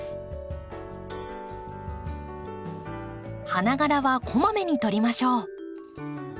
花がらはこまめに取りましょう。